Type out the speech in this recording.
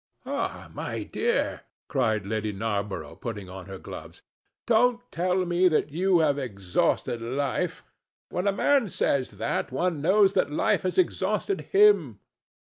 "Ah, my dear," cried Lady Narborough, putting on her gloves, "don't tell me that you have exhausted life. When a man says that one knows that life has exhausted him.